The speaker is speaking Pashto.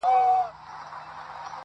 نندارې ته د څپو او د موجونو!.